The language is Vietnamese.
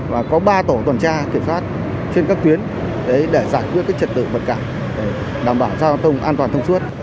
và có ba tổ tuần tra kiểm soát trên các tuyến để giải quyết trật tự vật cản đảm bảo giao thông an toàn thông suốt